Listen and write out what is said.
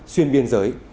xuyên biên giới